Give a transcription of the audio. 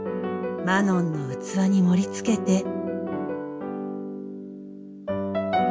マノンの器に盛りつけて。